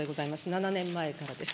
７年前からです。